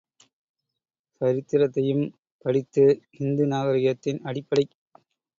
சரித்திரத்தையும் படித்து இந்து நாகரிகத்தின் அடிப்படைக்